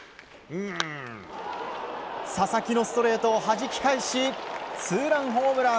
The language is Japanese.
佐々木のストレートをはじき返しツーランホームラン。